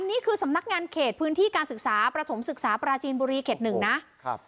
นี่คือสำนักงานเขตพื้นที่การศึกษาประถมศึกษาปราจีนบุรีเขตหนึ่งนะครับ